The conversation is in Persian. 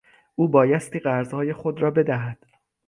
او بایستی قرضهای خود را بدهد.